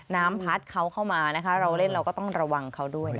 น้ำพัดเขาเข้ามานะคะเราเล่นเราก็ต้องระวังเขาด้วยนะคะ